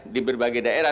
di berbagai daerah